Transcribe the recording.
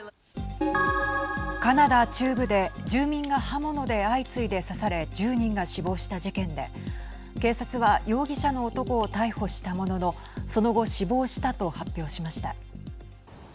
カナダ中部で住民が刃物で相次いで刺され１０人が死亡した事件で警察は容疑者の男を逮捕したもののその後死亡したと発表しました。